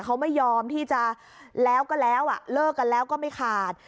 เขาไม่ยอมที่จะแล้วก็แล้วเลิกกันแล้วก็ไม่ขาด